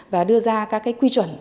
và đưa ra các quy chuẩn